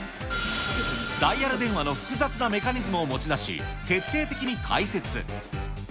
ダイヤル電話の複雑なメカニズムを持ち出し、徹底的に解説。